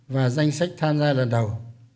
và danh sách tham gia lần đầu